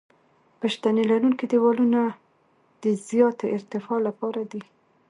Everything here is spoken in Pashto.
پشتي لرونکي دیوالونه د زیاتې ارتفاع لپاره دي